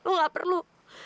lo gak perlu